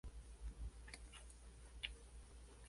Su nombre proviene del hecho que acoge el nacimiento del río Ter.